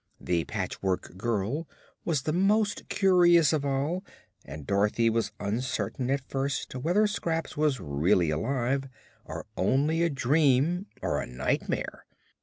The Patchwork Girl was the most curious of all and Dorothy was uncertain at first whether Scraps was really alive or only a dream or a nightmare.